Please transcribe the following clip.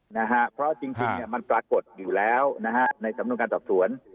นะฮะเพราะจริงจริงเนี่ยมันปรากฏอยู่แล้วนะฮะในสำนวนการสอบสวน